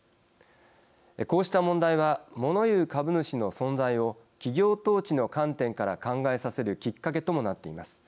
こうした問題はもの言う株主の存在を企業統治の観点から考えさせるきっかけともなっています。